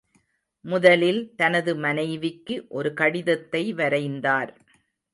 முதலில் தனது மனைவிக்கு ஒரு கடிதத்தை வரைந்தார்.